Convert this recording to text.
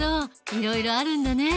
いろいろあるんだね。